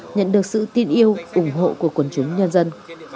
nhận được sự tin yêu ủng hộ của quần chúng nhân dân